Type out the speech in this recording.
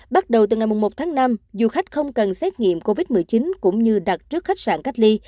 bắt đầu từ ngày một tháng năm du khách không cần xét nghiệm covid một mươi chín cũng như đặt trước khách sạn cách ly